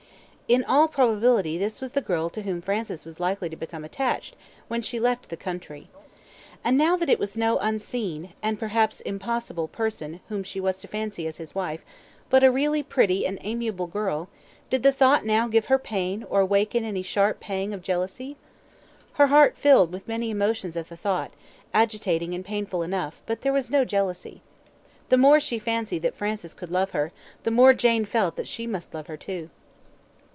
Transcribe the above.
In all probability this was the girl to whom Francis was likely to become attached when she left the country. And now that it was no unseen, and perhaps impossible, person whom she was to fancy as his wife, but a really pretty and amiable girl, did the thought now give her pain or awaken any sharp pang of jealousy? Her heart filled with many emotions at the thought, agitating and painful enough, but there was no jealousy. The more she fancied that Francis could love her, the more Jane felt that she must love her too.